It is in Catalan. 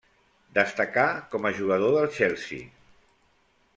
Destacà com a jugador del Chelsea.